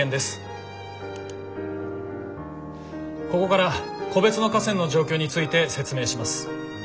ここから個別の河川の状況について説明します。